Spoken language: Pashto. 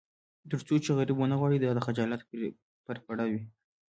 تر څو چې غرب ونه غواړي دا د خجالت پرپړه وي.